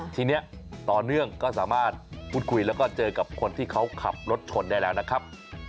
ทีนี้ต่อเนื่องก็สามารถพูดคุยแล้วก็เจอกับคนที่เขาขับรถชนได้แล้วนะครับ